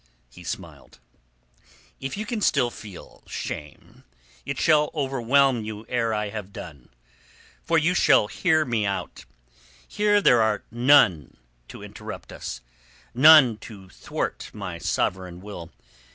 He smiled. "If you can still feel shame, it shall overwhelm you ere I have done. For you shall hear me out. Here there are none to interrupt us, none to thwart my sovereign will.